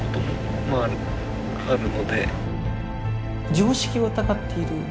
常識を疑っている。